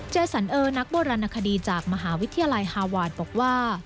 เจสันเออนักโบราณนักคดีจากมหาวิทยาลัยฮาวาร์ดบอกว่า